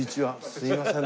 すいません。